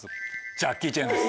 ジャッキー・チェンです。